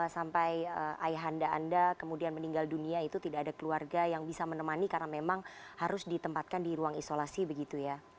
sampai ayah anda kemudian meninggal dunia itu tidak ada keluarga yang bisa menemani karena memang harus ditempatkan di ruang isolasi begitu ya